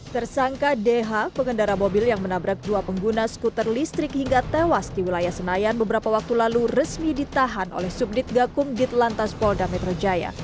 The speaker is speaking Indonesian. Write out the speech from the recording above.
tersangka dh pengendara mobil yang menabrak dua pengguna skuter listrik hingga tewas di wilayah senayan beberapa waktu lalu resmi ditahan oleh subdit gakum ditlantas polda metro jaya